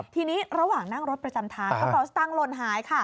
ทีนี้ระหว่างนั่งรถประจำทางกระเป๋าสตางคลนหายค่ะ